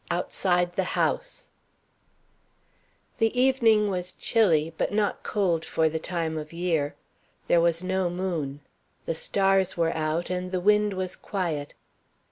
Outside the House The evening was chilly, but not cold for the time of year. There was no moon. The stars were out, and the wind was quiet.